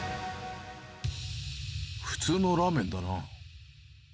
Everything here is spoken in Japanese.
普通のラーメンだな。